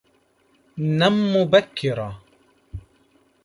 نَمْ مُبَكِرًا.